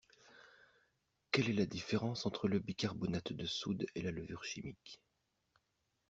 Quelle est la différence entre le bicarbonate de soude et la levure chimique?